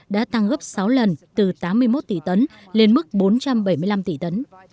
đã tăng gấp sáu lần từ tám mươi một tỷ tấn lên mức bốn trăm bảy mươi năm tỷ tấn